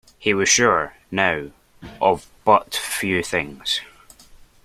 He was sure, now, of but few things.